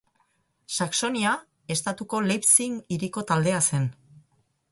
Saxonia estatuko Leipzig hiriko taldea zen.